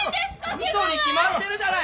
嘘に決まってるじゃない！